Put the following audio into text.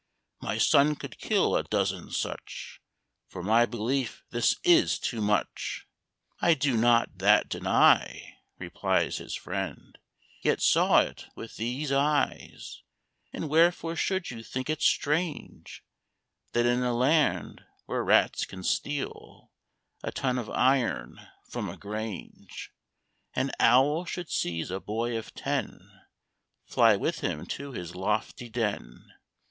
My son could kill a dozen such; For my belief this is too much!" "I do not that deny," replies His friend, "yet saw it with these eyes; And wherefore should you think it strange That in a land where rats can steal A ton of iron from a grange, An owl should seize a boy of ten, Fly with him to his lofty den.